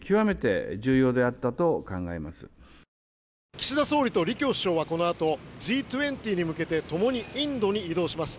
岸田総理と李強首相はこのあとＧ２０に向けてともにインドに移動します。